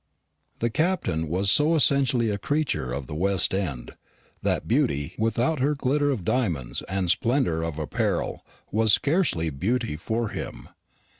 The Captain was so essentially a creature of the West end, that Beauty without her glitter of diamonds and splendour of apparel was scarcely Beauty for him.